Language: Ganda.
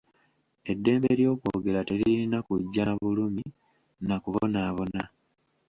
Eddembe ly'okwogera teririna kujja na bulumi na kubonaabona.